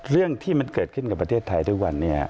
เรื่องที่มันเกิดขึ้นกับประเทศไทยทุกวันนี้